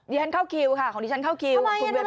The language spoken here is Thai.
ฉันเข้าคิวค่ะของดิฉันเข้าคิว